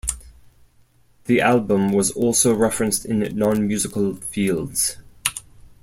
The album was also referenced in non-musical fields.